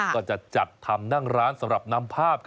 ก็จะจัดทำนั่งร้านสำหรับนำภาพ